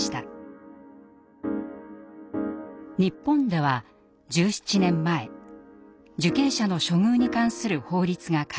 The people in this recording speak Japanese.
日本では１７年前受刑者の処遇に関する法律が改正。